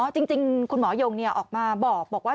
จริงคุณหมอยงออกมาบอกว่า